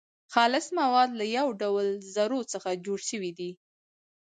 خالص مواد له يو ډول ذرو څخه جوړ سوي دي .